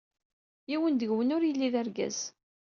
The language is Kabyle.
Yiwen deg-wen ur yelli d argaz.